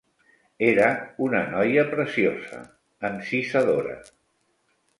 Era una noia preciosa, encisadora.